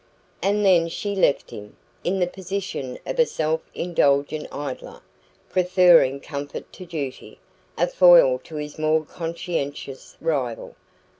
And then she left him, in the position of a self indulgent idler, preferring comfort to duty, a foil to his more conscientious rival.